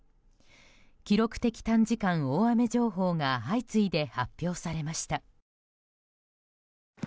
記録的短時間大雨情報が相次いで発表されました。